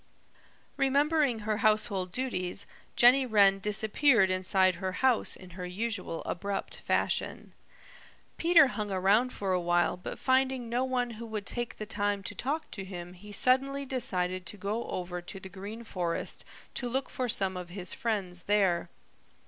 Remembering her household duties, Jenny Wren disappeared inside her house in her usual abrupt fashion. Peter hung around for a while but finding no one who would take the time to talk to him he suddenly decided to go over to the Green Forest to look for some of his friends there.